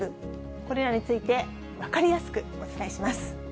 これらについて、分かりやすくお伝えします。